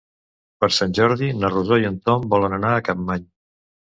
Per Sant Jordi na Rosó i en Tom volen anar a Capmany.